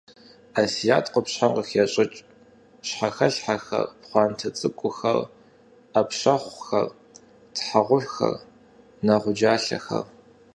Асият къупщхьэм къыхещӏыкӏ: щхьэхэлъхьэхэр, пхъуантэ цӏыкӏухэр, ӏэпщэхъухэр, тхьэгъухэр, нэгъуджалъэхэр.